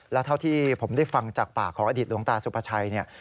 แล้วเท่าที่ผมได้ฟังจากปากของอดีตหลวงตาสุภาชัยเนี่ย